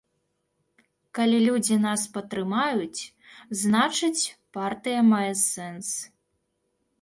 Калі людзі нас падтрымаюць, значыць, партыя мае сэнс.